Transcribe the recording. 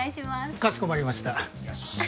かしこまりました。